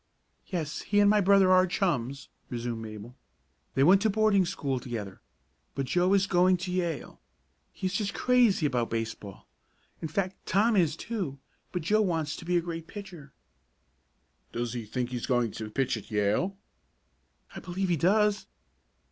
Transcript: "Yes, he and my brother are chums," resumed Mabel. "They went to boarding school together, but Joe is going to Yale. He is just crazy about baseball in fact Tom is, too, but Joe wants to be a great pitcher." "Does he think he's going to pitch at Yale?" "I believe he does!"